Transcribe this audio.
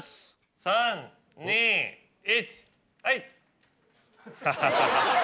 ３・２・１はい。